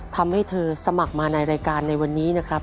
ทำให้เธอสมัครมาในรายการในวันนี้นะครับ